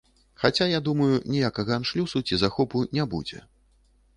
Хаця я думаю, ніякага аншлюсу ці захопу не будзе.